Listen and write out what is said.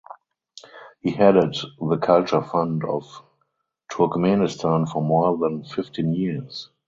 He headed the Culture Fund of Turkmenistan for more than fifteen years.